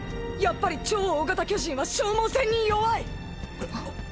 やっぱり超大型巨人は消耗戦に弱い！！